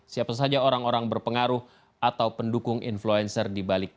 siapa saja orang orang berpengaruh atau pendukung influencer di balik